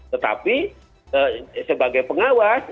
tetapi sebagai pengawas